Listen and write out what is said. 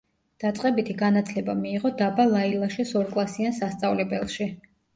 დაწყებითი განათლება მიიღო დაბა ლაილაშის ორკლასიან სასწავლებელში.